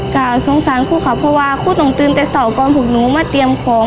ก็สงสารคู่ค่ะเพราะว่าครูต้องตื่นแต่เสาร์ก่อนพวกหนูมาเตรียมของ